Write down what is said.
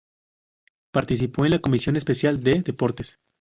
Participó en la Comisión Especial de Deportes.